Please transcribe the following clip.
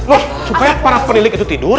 loh supaya para peniklik itu tidur